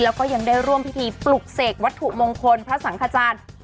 แล้วก็ยังได้ร่วมพิธีปลุกเสกวัตถุมงคลพระสังขจารย์